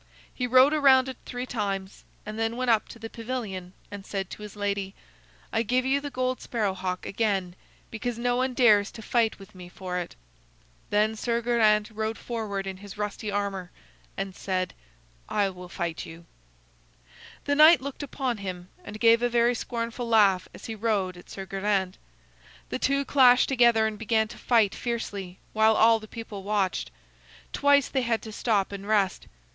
He rode around it three times, and then went up to the pavilion and said to his lady: "I give you the gold sparrow hawk again, because no one dares to fight with me for it." Then Sir Geraint rode forward in his rusty armor and said: "I will fight with you." The knight looked upon him, and gave a very scornful laugh as he rode at Sir Geraint. The two clashed together and began to fight fiercely, while all the people watched. Twice they had to stop and rest.